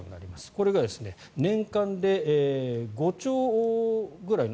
これが年間で５兆ぐらい。